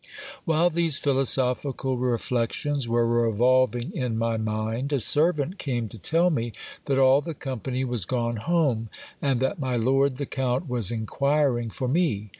While these philosophical reflections were revolving in my mind, a servant came to tell me that all the company was gone home, and that my lord the count was inquiring for me.